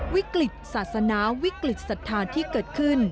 วิกฤตศาสนาวิกฤตศรัทธาที่เกิดขึ้น